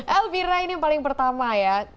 elvira ini yang paling pertama ya